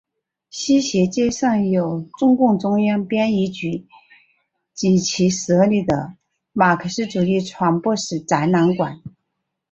西斜街上有中共中央编译局及其设立的马克思主义传播史展览馆。